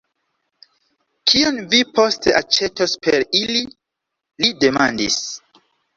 Kion vi poste aĉetos per ili? li demandis.